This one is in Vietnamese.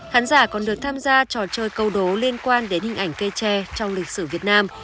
khán giả còn được tham gia trò chơi câu đố liên quan đến hình ảnh cây tre trong lịch sử việt nam